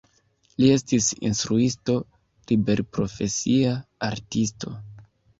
Li estis instruisto, liberprofesia artisto.